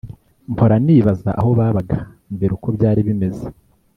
mpora nibaza aho babaga mbere uko byari bimeze